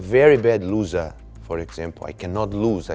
เพราะฉะนั้นฉันเป็นคนที่